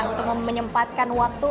untuk menyempatkan waktu